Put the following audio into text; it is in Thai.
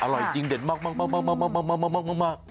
อร่อยจริงเด็ดมาก